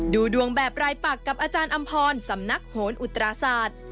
ดูดวงแบบรายปักกับอาจารย์อำพรสำนักโหนอุตราศาสตร์